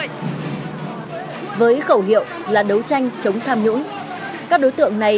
các đối tượng này sẽ được đặt đồng tâm đồng tâm đồng tâm đồng tâm đồng tâm đồng tâm